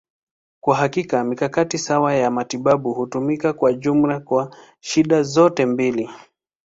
Kwa hakika, mikakati sawa ya matibabu hutumika kwa jumla kwa shida zote mbili.